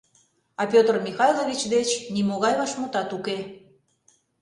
А Петр Михайлович деч нимогай вашмутат уке.